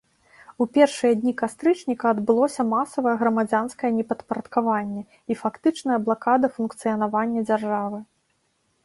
У першыя дні кастрычніка адбылося масавае грамадзянскае непадпарадкаванне і фактычная блакада функцыянавання дзяржавы.